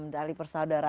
tali persaudaraan itu ya